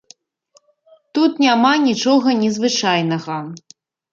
Тут няма нічога незвычайнага.